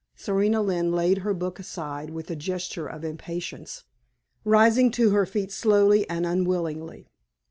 Serena Lynne laid her book aside with a gesture of impatience, rising to her feet slowly and unwillingly.